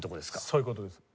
そういう事です。